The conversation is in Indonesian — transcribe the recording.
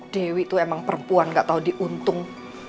dewi itu emang perempuan gak tau diuntung